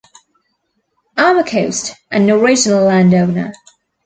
Armacost, an original landowner.